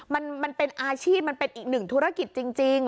มันเป็นอาชีพมันเป็นอีกหนึ่งธุรกิจจริง